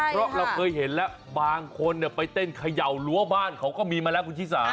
เพราะเราเคยเห็นแล้วบางคนไปเต้นเขย่ารั้วบ้านเขาก็มีมาแล้วคุณชิสา